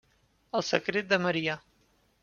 El Secret de Maria.